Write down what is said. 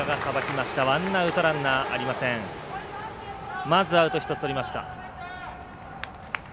まず、アウト１つとりました。